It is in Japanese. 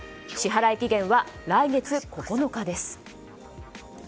支払期限は来月９日です。